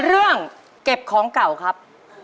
เรื่องเก็บของเก่าครับ